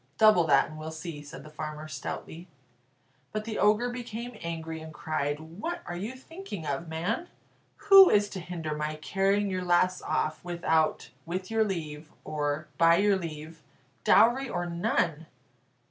"Double that, and we'll see," said the farmer, stoutly. But the Ogre became angry, and cried; "What are you thinking of, man? Who is to hinder my carrying your lass off, without 'with your leave' or 'by your leave,' dowry or none?"